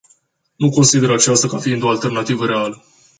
Nu consider aceasta ca fiind o alternativă reală.